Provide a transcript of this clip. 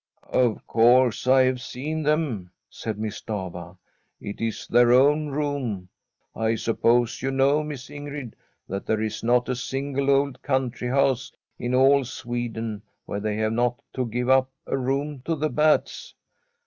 * Of course I have seen them,' said Miss Stafva. ' It is their own room. I suppose you know, Miss [79l Fratn a SWEDISH HOMESTEAD Ingrid, that there is not a sinele old country house in all Sweden where they nave not to give up a room to the bats